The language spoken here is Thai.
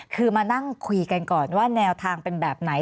คือมานั่งคุยกันก่อนว่าแนวทางเป็นแบบไหน